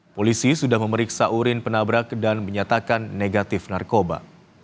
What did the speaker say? polisi sudah memeriksa urin penabrak dan menyatakan negatif narkoba